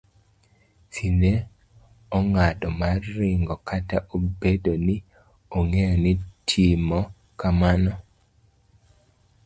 C. ne ong'ado mar ringo kata obedo ni nong'eyo ni timo kamano